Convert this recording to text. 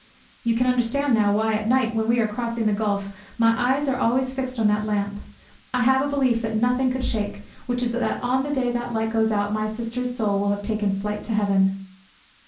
You can understand now why, at night, when we are crossing the gulf, my eyes are always fixed on that lamp. I have a belief that nothing could shake, which is that on the day that light goes out my sister's soul will have taken flight to heaven."